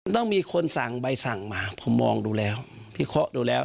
ต้องมีคนสั่งใบสั่งมาผมมองดูแล้วพิเคราะห์ดูแล้ว